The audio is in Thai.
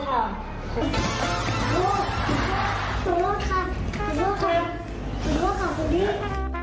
ขอโทษค่ะพี่ดี